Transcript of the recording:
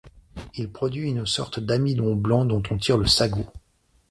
Il produit une sorte d'amidon blanc dont on tire le sago.